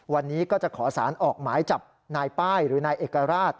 วันนี้ก็จะขอสารออกหมายจับนายป้ายหรือนายเอกราช